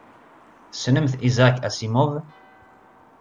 Tessnemt Isaac Asimov?